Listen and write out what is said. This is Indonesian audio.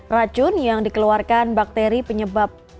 racun yang dikeluarkan bakteri penyebab